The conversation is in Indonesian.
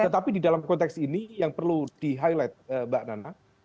tetapi di dalam konteks ini yang perlu di highlight mbak nana